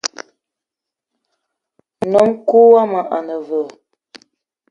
Ngnom-kou woma ane veu?